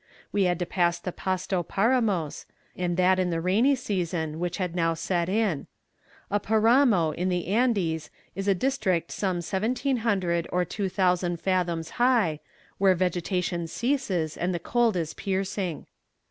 We had to pass the Pasto Paramos, and that in the rainy season, which had now set in. A 'paramo' in the Andes is a district some 1700 or 2000 fathoms high, where vegetation ceases, and the cold is piercing.